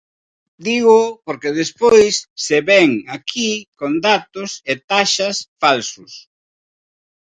Dígoo porque despois se vén aquí con datos e taxas falsos.